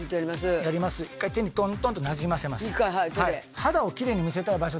一回手にトントンとなじませます。